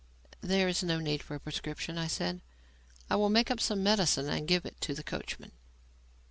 "There is no need for a prescription," I said. "I will make up some medicine and give it to the coachman."